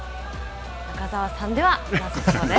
中澤さんではなさそうです。